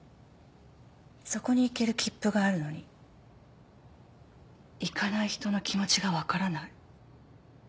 そこに行ける切符があるのに行かない人の気持ちがわからない。